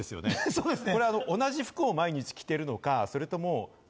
そうですね。